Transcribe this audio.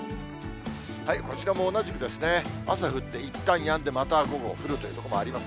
こちらも同じく、朝降って、いったんやんで、また午後降るということもあります。